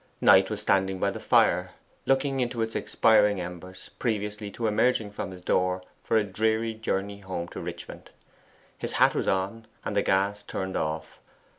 Knight was standing by the fire, looking into its expiring embers, previously to emerging from his door for a dreary journey home to Richmond. His hat was on, and the gas turned off.